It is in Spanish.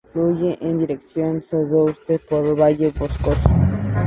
Fluye en dirección sudoeste por un valle boscoso.